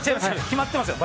決まってますよ。